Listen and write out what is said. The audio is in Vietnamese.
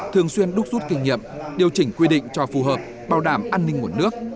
thường xuyên đúc rút kinh nghiệm điều chỉnh quy định cho phù hợp bảo đảm an ninh nguồn nước